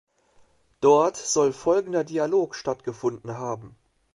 Dort soll folgender Dialog stattgefunden haben.